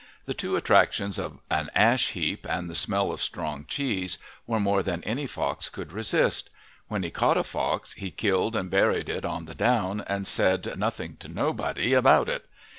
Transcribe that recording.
The two attractions of an ash heap and the smell of strong cheese was more than any fox could resist. When he caught a fox he killed and buried it on the down and said "nothing to nobody" about it.